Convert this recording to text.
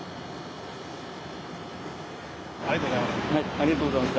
ありがとうございます。